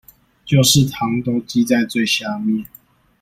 就是糖都積在最下面